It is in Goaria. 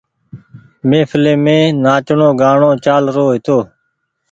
مهڦلي مين نآچڻو گآڻو چآل رو هيتو۔